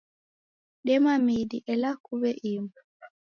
Dema midi, ela kuw'e imu.